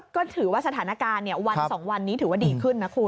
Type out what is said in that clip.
ก็ถือว่าสถานการณ์วัน๒วันนี้ถือว่าดีขึ้นนะคุณ